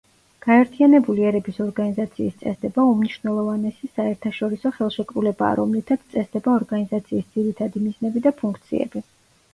გაერთიანებული ერების ორგანიზაციის წესდება უმნიშვნელოვანესი საერთაშორისო ხელშეკრულებაა, რომლითაც წესდება ორგანიზაციის ძირითადი მიზნები და ფუნქციები.